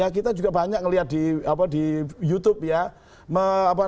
kita juga banyak melihat di youtube ya